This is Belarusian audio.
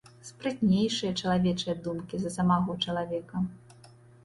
Спрытнейшыя чалавечыя думкі за самога чалавека.